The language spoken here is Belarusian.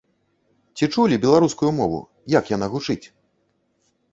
Ці чулі беларускую мову, як яна гучыць?